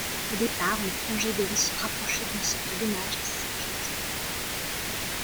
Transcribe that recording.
Au départ, le projet devait se rapprocher d'une sorte d'hommage à Serge Gainsbourg.